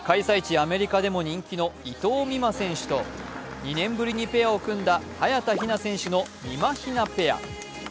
アメリカでも人気の伊藤美誠選手と２年ぶりにペアを組んだ早田ひな選手のみまひなペア。